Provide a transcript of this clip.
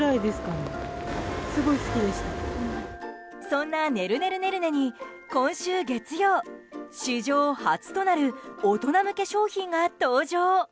そんな、ねるねるねるねに今週月曜史上初となる大人向け商品が登場。